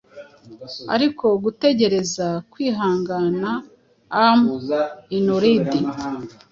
Ariko gutegereza kwihangana am inurd